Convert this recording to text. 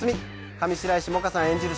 上白石萌歌さん演じる